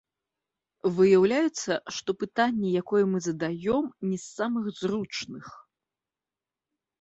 Выяўляецца, што пытанне, якое мы задаём, не з самых зручных.